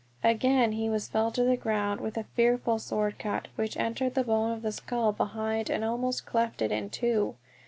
Again he was felled to the ground, with a fearful sword cut, which entered the bone of the skull behind and almost cleft it in two.